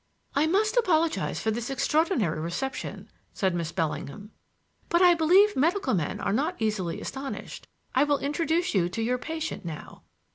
"I must apologize for this extraordinary reception," said Miss Bellingham; "but I believe medical men are not easily astonished. I will introduce you to your patient now."